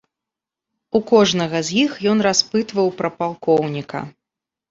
У кожнага з іх ён распытваў пра палкоўніка.